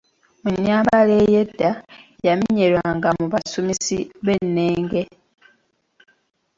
Mu nnyambala ey'edda, yamenyerwanga mu basumisi b'ennenge.